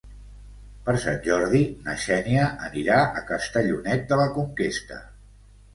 Per Sant Jordi na Xènia anirà a Castellonet de la Conquesta.